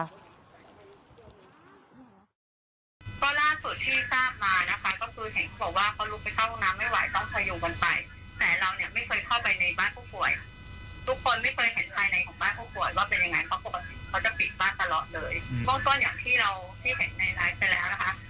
ก็ล่าสุดที่ทราบมานะคะก็คือเห็นเขาบอกว่าเขาลุกไปเข้าห้องน้ำไม่ไหว